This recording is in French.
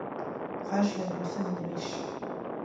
Raj vient d’une famille riche.